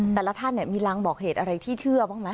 แต่ละท่านมีรางบอกเหตุอะไรที่เชื่อบ้างไหม